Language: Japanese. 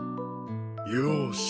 よし。